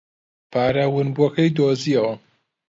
پارە ونبووەکەی دۆزییەوە.